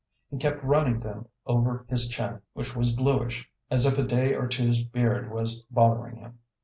He kept running them over his chin, which was bluish, as if a day or two's beard was bothering him.